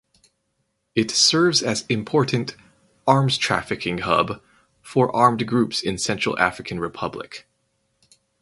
It serves as important arms trafficking hub for armed groups in Central African Republic.